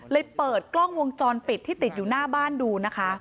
เปิดกล้องวงจรปิดที่ติดอยู่หน้าบ้านดูนะคะ